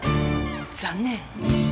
残念！！